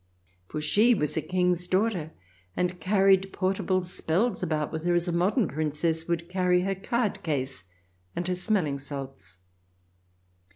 For she was a King's daughter, and carried portable spells about with her as a modern Princess would carry her card case and her smelling salts.